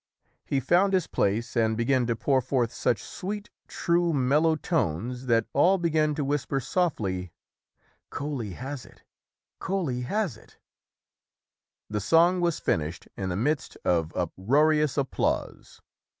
He found his place and began to pour forth such sweet, true, mellow tones that all began to whisper softly, "Coaly has it. Coaly has it". The song was finished in the midst of uproarious applause.